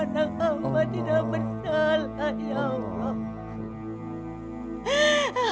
anak kamu tidak bersalah ya allah